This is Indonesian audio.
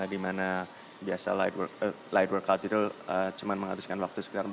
dimana biasa light workout itu cuma menghabiskan waktu sekitar empat puluh lima menit